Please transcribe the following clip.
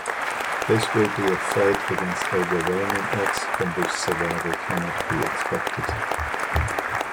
This will be a fight against overwhelming odds from which survival cannot be expected.